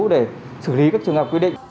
để xử lý các trường hợp quy định